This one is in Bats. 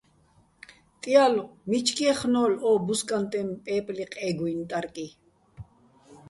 ტიალო̆, მიჩკ ჲეხნო́ლო̆ ო ბუზკანტეჼ პე́პლი ყე́გუჲნი ტარკი.